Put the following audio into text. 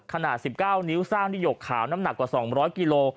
๑๙นิ้วสร้างที่หยกขาวน้ำหนักกว่า๒๐๐กิโล